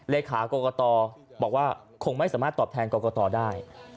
เลขากรกตบอกว่าคงไม่สามารถตอบแทนกรกตได้